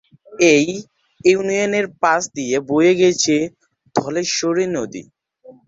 এই ইউনিয়নের পাশ দিয়ে বয়ে গেছে ধলেশ্বরী নদী।